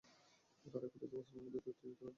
তারা কুরাইশদেরকে মুসলমানদের বিরুদ্ধে উত্তেজিত করে।